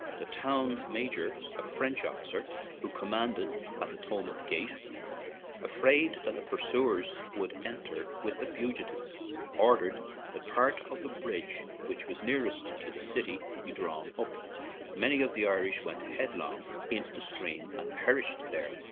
The Town Major, a French officer, who commanded at the Thomond Gate, afraid that the pursuers would enter with the fugitives, ordered that part of the bridge which was nearest to the city to be drawn up. Many of the Irish went head long into the stream and perished there.